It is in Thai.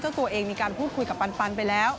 ตัวเองมีการพูดคุยกับปันไปแล้ว